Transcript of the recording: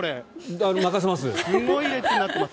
任せます。